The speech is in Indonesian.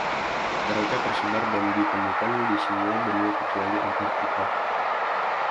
Mereka tersebar, dan di temukan di semua benua kecuali Antarktika.